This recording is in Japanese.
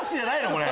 これ。